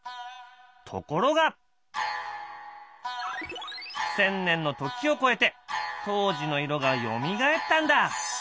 ところが１，０００年の時を超えて当時の色がよみがえったんだ！